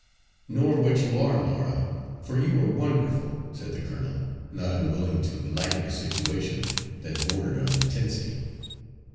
"Nor what you are, Laura, for you are wonderful," said the colonel, not unwilling to lighten a situation that bordered on intensity.